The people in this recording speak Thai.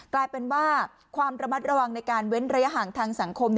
กลายเป็นว่าความระมัดระวังในการเว้นระยะห่างทางสังคม